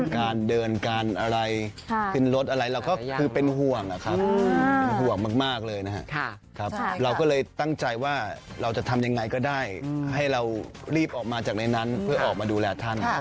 การเดินการอะไรขึ้นรถอะไรเราก็คือเป็นห่วงนะครับเป็นห่วงมากเลยนะครับเราก็เลยตั้งใจว่าเราจะทำยังไงก็ได้ให้เรารีบออกมาจากในนั้นเพื่อออกมาดูแลท่าน